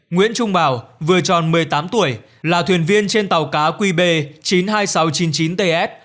nguyễn trung bảo vừa tròn một mươi tám tuổi là thuyền viên trên tàu cá qb chín mươi hai nghìn sáu trăm chín mươi chín ts